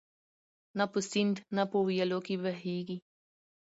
نه په سیند نه په ویالو کي به بهیږي